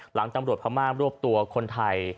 หลังตำรวจพม่ารวบตัวคนไทย